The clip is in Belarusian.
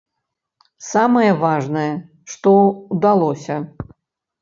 Самае важнае, што ўдалося.